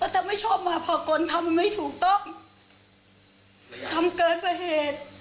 ทำเกินเพราะเหตุ